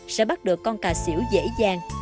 sẽ bắt được con cà xỉu dễ dàng